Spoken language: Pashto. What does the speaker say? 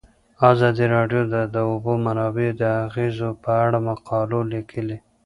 ازادي راډیو د د اوبو منابع د اغیزو په اړه مقالو لیکلي.